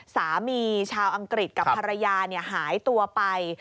สามีชาวอังกฤษกับภรรยาหายตัวไป